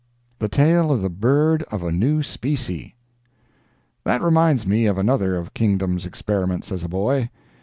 THE TALE OF THE "BIRD OF A NEW SPECIE" That reminds me of another of Kingdom's experiments as a boy.